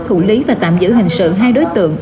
thủ lý và tạm giữ hình sự hai đối tượng